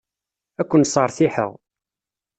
Ad ken-sseṛtiḥeɣ.